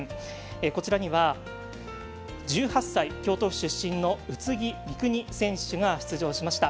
こちらには１８歳、京都府出身の宇津木美都選手が出場しました。